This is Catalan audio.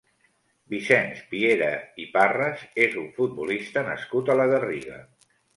Vicenç Piera i Parras és un futbolista nascut a la Garriga.